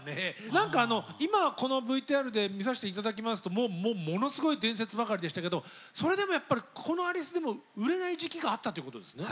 何か今このＶＴＲで見させて頂きますともうものすごい伝説ばかりでしたけどそれでもやっぱりこのアリスでも売れない時期があったということですね。